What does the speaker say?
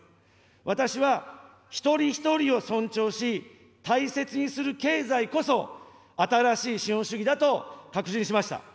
私は一人一人を尊重し、大切にする経済こそ、新しい資本主義だと確信しました。